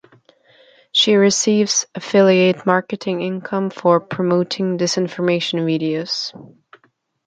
She receives affiliate marketing income for promoting disinformation videos.